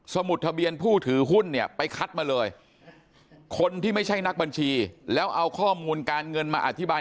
มุดทะเบียนผู้ถือหุ้นเนี่ยไปคัดมาเลยคนที่ไม่ใช่นักบัญชีแล้วเอาข้อมูลการเงินมาอธิบาย